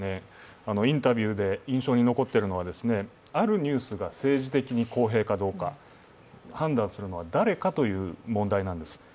インタビューで、印象に残っているのは、あるニュースが政治的に公平かどうか判断するのは誰かという問題なんです。